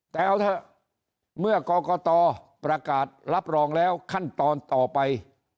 แต่เอาเถอะเมื่อกรกตประกาศรับรองแล้วขั้นตอนต่อไป